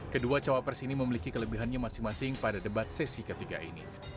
kedua cawapres ini memiliki kelebihannya masing masing pada debat sesi ketiga ini